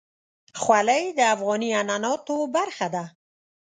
خولۍ د افغاني عنعناتو برخه ده.